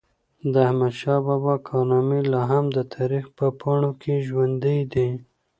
د احمدشاه بابا کارنامي لا هم د تاریخ په پاڼو کي ژوندۍ دي.